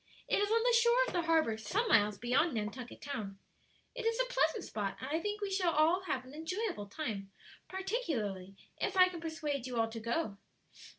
It is on the shore of the harbor some miles beyond Nantucket Town. It is a pleasant spot, and I think we shall have an enjoyable time; particularly if I can persuade you all to go."